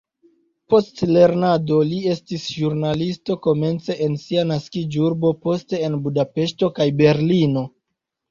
Post lernado li estis ĵurnalisto komence en sia naskiĝurbo, poste en Budapeŝto kaj Berlino.